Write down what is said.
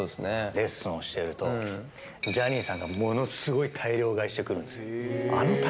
レッスンをしてると、ジャニーさんがものすごい大量買いしてくるんですよ。